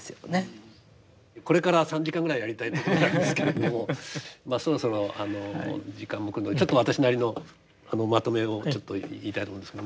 これから３時間ぐらいやりたいところなんですけれどもまあそろそろ時間も来るのでちょっと私なりのまとめをちょっと言いたいと思うんですけどもね。